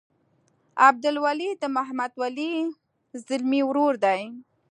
عبدالولي د محمد ولي ځلمي ورور دی.